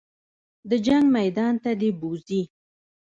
د جنګ میدان ته دې بوځي.